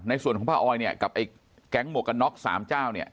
ในส่วนของป้าออยกับแก๊งหมวกกันน็อกสามเจ้า